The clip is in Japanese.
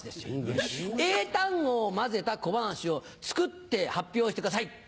英単語を交ぜた小ばなしを作って発表してください。